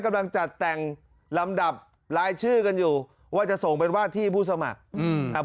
กำลังจัดแต่งลำดับรายชื่อกันอยู่ว่าจะส่งเป็นว่าที่ผู้สมัครอืมอ่า